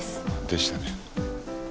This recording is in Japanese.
でしたね。